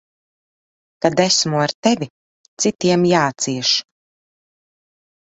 Kad esmu ar tevi, citiem jācieš.